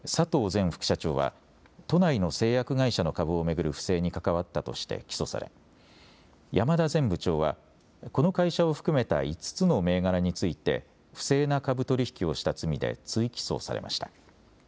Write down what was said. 前副社長は都内の製薬会社の株を巡る不正に関わったとして起訴され山田前部長はこの会社を含めた５つの銘柄について不正な株取引をした罪で追起訴されました。